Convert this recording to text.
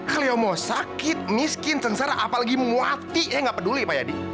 kleo mau sakit miskin sengsara apalagi muwati ya gak peduli pak yadi